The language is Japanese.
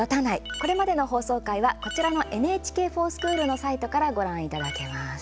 これまでの放送回は、こちらの「ＮＨＫｆｏｒＳｃｈｏｏｌ」のサイトからご覧いただけます。